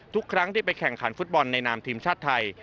ทุกครั้งที่ไปแข่งขันฟุตบอลในนามทีมชาติไทย